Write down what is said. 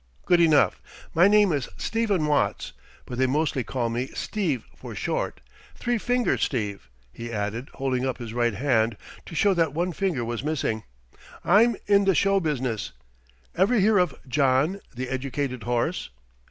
Good enough! My name is Stephen Watts, but they mostly call me Steve for short Three Finger Steve," he added, holding up his right hand to show that one finger was missing. "I'm in the show business. Ever hear of John, the Educated Horse?